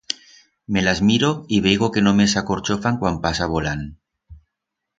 Me las miro y veigo que només s'acorchofan cuan pasa voland.